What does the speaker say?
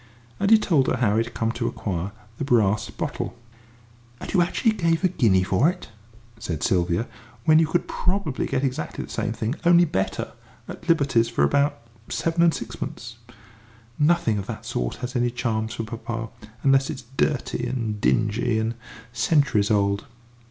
And he told her how he had come to acquire the brass bottle. "And you actually gave a guinea for it?" said Sylvia, "when you could probably get exactly the same thing, only better, at Liberty's for about seven and sixpence! Nothing of that sort has any charms for papa, unless it's dirty and dingy and centuries old."